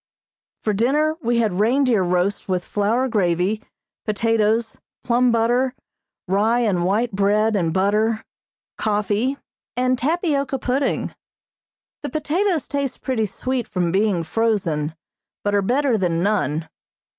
For dinner we had reindeer roast with flour gravy, potatoes, plum butter, rye and white bread and butter, coffee and tapioca pudding. The potatoes taste pretty sweet from being frozen, but are better than none.